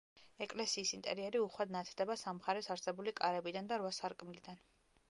ეკლესიის ინტერიერი უხვად ნათდება სამ მხარეს არსებული კარებიდან და რვა სარკმლიდან.